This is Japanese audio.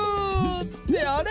ってあれ？